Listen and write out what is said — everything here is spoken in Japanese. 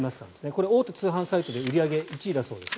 これ、大手通販サイトで売り上げ１位だそうです。